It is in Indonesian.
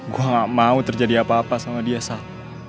gue gak mau terjadi apa apa sama dia salah